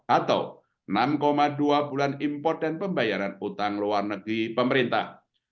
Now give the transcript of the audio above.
atau enam dua bulan import dan pembayaran utang luar negeri pemerintah